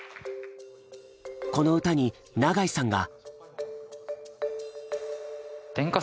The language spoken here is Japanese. この歌に永井さんが。